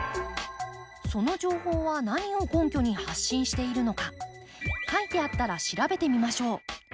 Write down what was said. その情報は何を根拠に発信しているのか書いてあったら調べてみましょう。